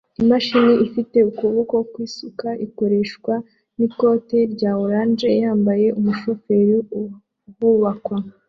Imashini ifite ukuboko kw'isuka ikoreshwa n'ikoti rya orange yambaye umushoferi ahubakwa